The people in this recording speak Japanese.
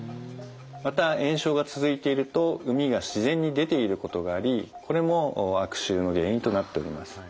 また炎症が続いていると膿が自然に出ていることがありこれも悪臭の原因となっております。